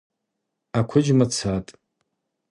Аквыджьма цатӏ.